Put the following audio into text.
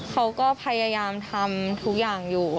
เขาก็พยายามทำทุกอย่างอยู่